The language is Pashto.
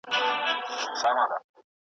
نو به کوچ وکړي د خلکو له سرونو .